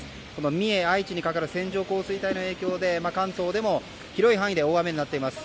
三重、愛知にかかる線状降水帯の影響で関東でも、広い範囲で大雨になっています。